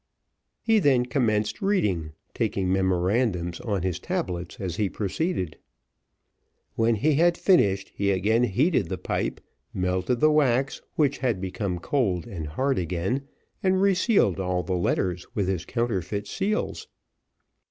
He then commenced reading, taking memorandums on his tablets as he proceeded. When he had finished, he again heated the pipe, melted the wax, which had become cold and hard again, and resealed all the letters with his counterfeit seals.